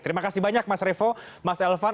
terima kasih banyak mas revo mas elvan